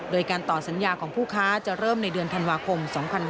โดยการต่อสัญญาของผู้ค้าจะเริ่มในเดือนธันวาคม๒๕๕๙